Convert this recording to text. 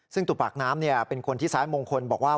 ซึ่งตัวปากน้ำเป็นคนที่ซ้ายมงคลบอกว่า